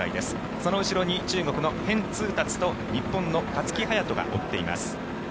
その後ろに中国のヘン・ツウタツと日本の勝木隼人が追っています。